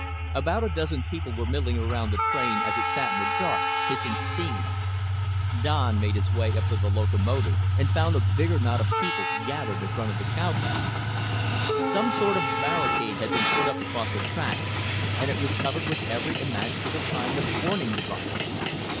About a dozen people were milling around the train as it sat in the dark, hissing steam. Don made his way up to the locomotive and found a bigger knot of people gathered in front of the cowcatcher. Some sort of barricade had been put up across the tracks and it was covered with every imaginable kind of warning device.